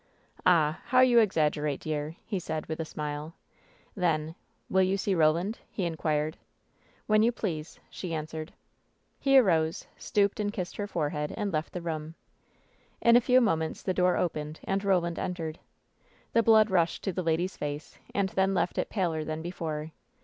"Ah! how you exaggerate, dear," he said, with a smile. Then : "Will you see Roland ?" he inquired. "When you please," she answered. He arose, stooped and kissed her forehead, and left the room. In a few moments the door opened and Roland en tered. The blood rushed to the lady's face, and then left it paler than before.